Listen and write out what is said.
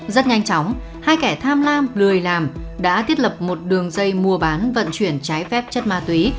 rất nhanh chóng hai kẻ tham lam lười làm đã thiết lập một đường dây mua bán vận chuyển trái phép chất ma túy